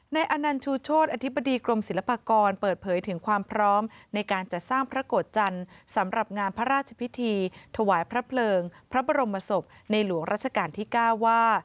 อนันชูโชธอธิบดีกรมศิลปากรเปิดเผยถึงความพร้อมในการจัดสร้างพระโกรธจันทร์สำหรับงานพระราชพิธีถวายพระเพลิงพระบรมศพในหลวงราชการที่๙ว่า